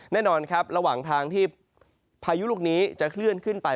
แน่นอนครับระหว่างทางที่พายุลูกนี้จะเคลื่อนขึ้นไป